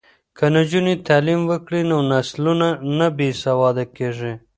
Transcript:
که نجونې تعلیم وکړي نو نسلونه نه بې سواده کیږي.